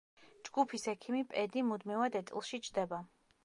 ჯგუფის ექიმი პედი, მუდმივად ეტლში ჯდება.